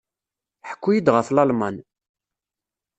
Ḥku-iyi-d ɣef Lalman.